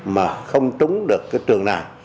mà không trúng được cái trường này